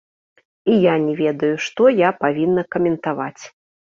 І я не ведаю, што я павінна каментаваць.